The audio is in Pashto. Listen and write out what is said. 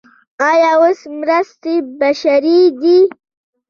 آیا اوس مرستې بشري دي؟